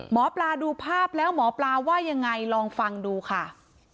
หมอปลาดูภาพแล้วหมอปลาว่ายังไงลองฟังดูค่ะ